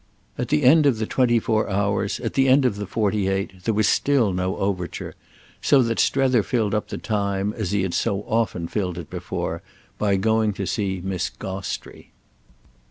At the end of the twenty four hours, at the end of the forty eight, there was still no overture; so that Strether filled up the time, as he had so often filled it before, by going to see Miss Gostrey.